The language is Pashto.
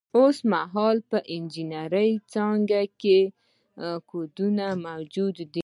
اوس مهال په انجنیری کې ځانګړي کوډونه شتون لري.